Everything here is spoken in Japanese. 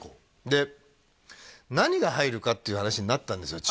で何が入るかっていう話になったんですよ